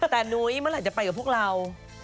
แต่นุ้ยเมื่อไหร่จะไปกับพวกเรา